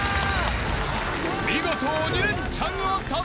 ［見事鬼レンチャンを達成］